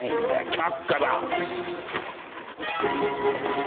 却下だ！